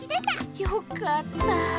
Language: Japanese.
よかった。